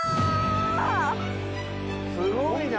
すごいな！